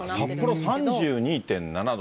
札幌３２．７度。